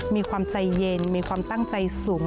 มีความใจเย็นมีความตั้งใจสูง